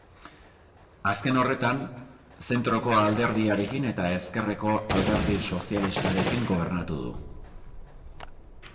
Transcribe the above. Azken horretan, Zentroko Alderdiarekin eta Ezkerreko Alderdi Sozialistarekin gobernatu du.